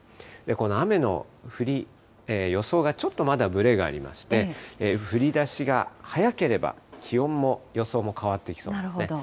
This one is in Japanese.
この雨の予想がちょっとまだぶれがありまして、降りだしが早ければ、気温も予想も変わってきそうですね。